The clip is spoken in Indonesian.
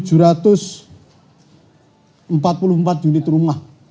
tujuh ratus empat puluh empat unit rumah